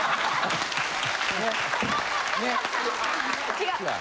違う。